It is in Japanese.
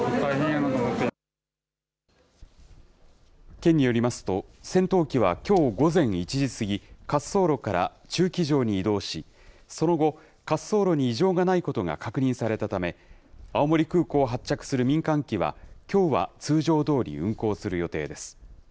県によりますと、戦闘機はきょう午前１時過ぎ、滑走路から駐機場に移動し、その後、滑走路に異常がないことが確認されたため、青森空港を発着する民間機は、きょうは通常どおり運航する予定です。